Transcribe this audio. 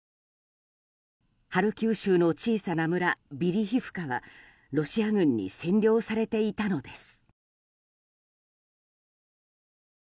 ハルキウ州の小さな村ビリヒフカはロシア軍に占領されていたのです。